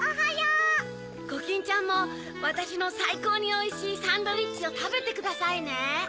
コキンちゃんもわたしのさいこうにおいしいサンドイッチをたべてくださいね。